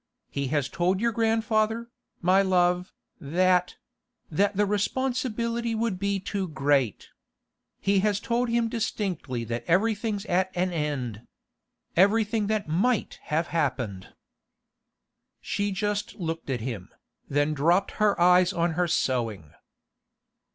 He has told your grandfather, my love, that—that the responsibility would be too great. He has told him distinctly that everything's at an end—everything that might have happened.' She just looked at him, then dropped her eyes on her sewing.